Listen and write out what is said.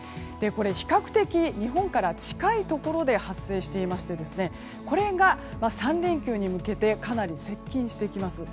比較的、日本から近いところで発生していましてこれが３連休に向けてかなり接近してきます。